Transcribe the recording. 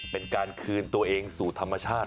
เป็นการคืนตัวเองสู่ธรรมชาติ